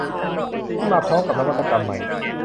ที่มาพร้อมกับนวัตกรรมใหม่